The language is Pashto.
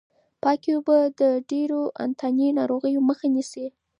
پاکې اوبه د ډېرو انتاني ناروغیو مخه نیسي.